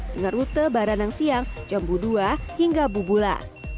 dengan rute baranang siang jambu dua hingga bubula